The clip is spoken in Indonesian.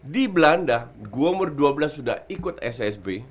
di belanda gue umur dua belas sudah ikut ssb